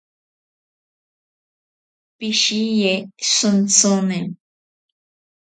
Pishiye shintsini.